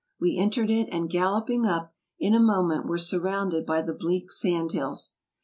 We entered it, and galloping up, in a moment were surrounded by the bleak sand hills.